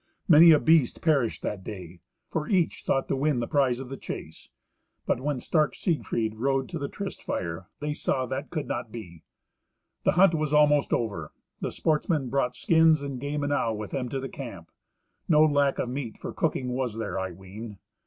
Many a beast perished that day, for each thought to win the prize of the chase. But when stark Siegfried rode to the tryst fire, they saw that could not be. The hunt was almost over. The sportsmen brought skins and game enow with them to the camp. No lack of meat for cooking was there, I ween.